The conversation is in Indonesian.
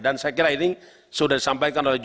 saya kira ini sudah disampaikan oleh jokowi